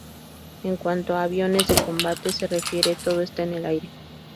En cuanto a aviones de combate se refiere, todo está en el aire.